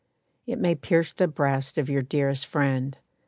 It may pierce the breast of your dearest friend.